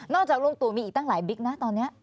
จากลุงตู่มีอีกตั้งหลายบิ๊กนะตอนนี้